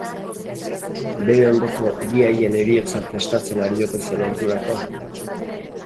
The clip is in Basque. Bere ondoko bi haien heriotza prestatzen ari ote zen ordurako?